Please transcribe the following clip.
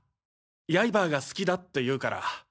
ヤイバーが好きだっていうから。